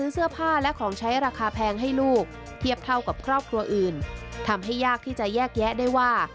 ทำให้ยากที่จะแยกแยะได้ว่า